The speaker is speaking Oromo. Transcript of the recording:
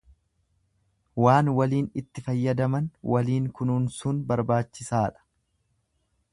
Waan waliin itti fayyadaman waliin kunuunsuun barbaachisaadha.